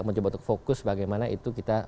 mencoba untuk fokus bagaimana itu kita